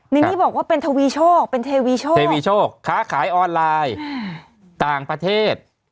นี่บอกว่าเป็นเทวีโชคค้าขายออนไลน์ต่างประเทศ